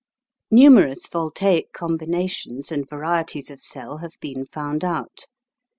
Numerous voltaic combinations and varieties of cell have been found out.